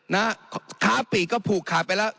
นะท้าปีกก็ผูกขาดไปแล้ว